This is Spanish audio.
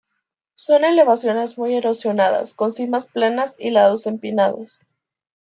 Son elevaciones muy erosionadas, con cimas planas y lados empinados.